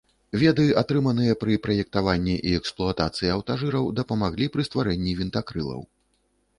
Веды, атрыманыя пры праектаванні і эксплуатацыі аўтажыраў, дапамаглі пры стварэнні вінтакрылаў.